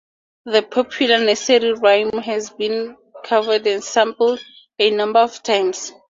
The popular nursery rhyme has been covered and sampled a number of times.